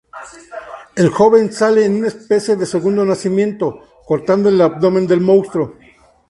El joven sale en una especie de segundo nacimiento, cortando el abdomen del monstruo.